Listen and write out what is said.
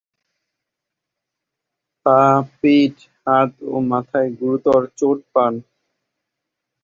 পা, পিঠ, হাত ও মাথায় গুরুতর চোট পান।